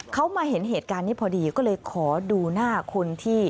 เขามาเห็นเหตุการณ์นี้พอดีก็เลยขอดูหน้าคนที่